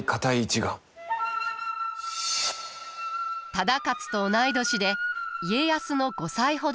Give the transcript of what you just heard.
忠勝と同い年で家康の５歳ほど年下。